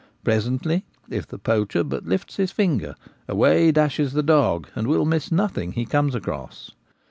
Presently, if the poacher but lifts his finger, away dashes the dog, and will miss nothing he comes across.